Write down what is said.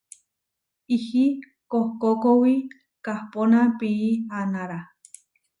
Ihí kohkókowi kahpóna pií aanára.